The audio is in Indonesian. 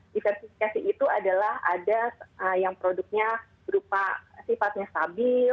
diversifikasi itu adalah ada yang produknya berupa sifatnya stabil